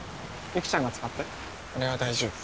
雪ちゃんが使って俺は大丈夫。